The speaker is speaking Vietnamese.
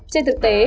trên thực tế